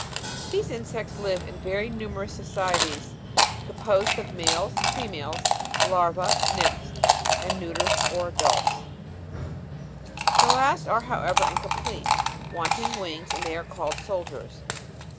These insects live in very numerous societies, composed of males, females, larvae, nymphs, and neuters or adults; the last are however incomplete, wanting wings; they are called soldiers.